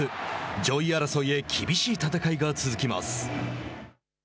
上位争いへ厳しい戦いが続きます。